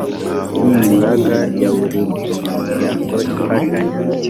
n inkunga ya buri munyamuryango imfashanyo